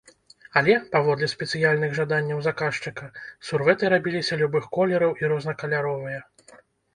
Але, паводле спецыяльных жаданняў заказчыка, сурвэты рабіліся любых колераў і рознакаляровыя.